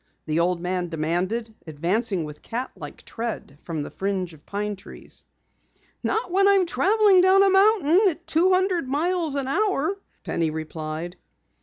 the old man demanded, advancing with cat like tread from the fringe of pine trees. "Not when I'm traveling down a mountain side at two hundred miles an hour!" Penny replied.